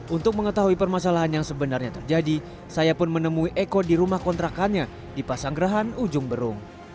untuk mengetahui permasalahan yang sebenarnya terjadi saya pun menemui eko di rumah kontrakannya di pasanggerahan ujung berung